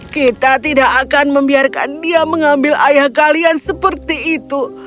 kita tidak akan membiarkan dia mengambil ayah kalian seperti itu